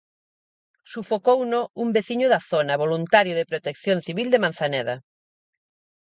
Sufocouno un veciño da zona, voluntario de Protección Civil de Manzaneda.